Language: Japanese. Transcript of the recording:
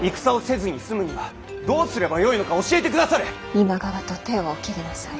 今川と手をお切りなさい。